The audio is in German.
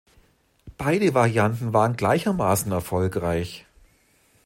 Beide Varianten waren gleichermaßen erfolgreich.